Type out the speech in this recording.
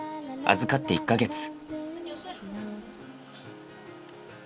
預かって１か月。